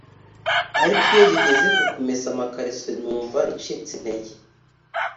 ariko iyo bigeze ku kumesa amakariso numva ncitse intege